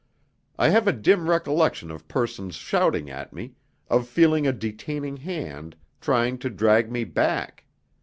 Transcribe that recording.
I have a dim recollection of persons shouting at me, of feeling a detaining hand trying to drag me back.